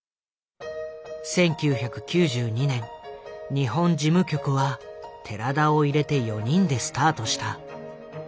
１９９２年日本事務局は寺田を入れて４人でスタートした。